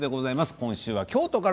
今週は京都から。